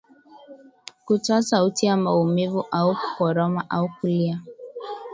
Kutoa sauti ya maumivu au kukoroma au kulia